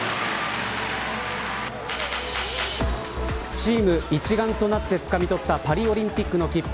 チーム一丸となってつかみ取ったパリオリンピックの切符。